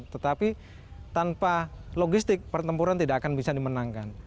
tetapi tanpa logistik pertempuran tidak akan bisa dimenangkan